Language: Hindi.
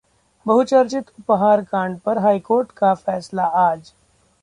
बहुचर्चित उपहार कांड पर हाईकोर्ट का फैसला आज